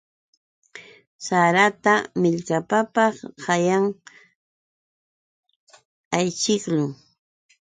Sarata millkapapaq qanyan ayćhiqlun.